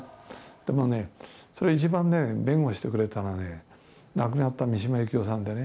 でもねそれ一番弁護してくれたのは亡くなった三島由紀夫さんでね